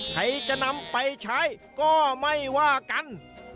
ใครจะนำไปใช้ก็ไม่ว่ากัน